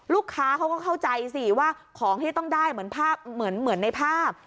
ลูกค้าเขาก็เข้าใจสิว่าของที่ต้องได้เหมือนภาพเหมือนในภาพ